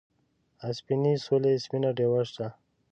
آ سپینې سولې سپینه ډیوه شه